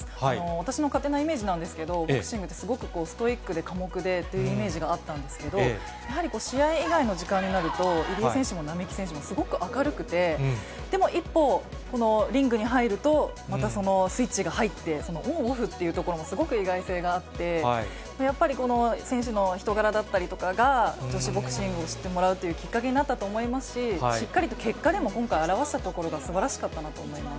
私の勝手なイメージなんですけど、ボクシングってすごいストイックで寡黙でというイメージがあったんですけれども、やはり試合以外の時間になると、入江選手も並木選手もすごく明るくて、でも一歩このリングに入ると、またスイッチが入って、そのオンオフというところもすごく意外性があって、やっぱりこの選手の人柄だったりとかが、女子ボクシングを知ってもらうというきっかけになったと思いますし、しっかりと結果でも今回、表したところがすばらしかったなと思います。